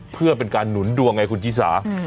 เพื่อเป็นการหนุนดวงไงคุณชิสา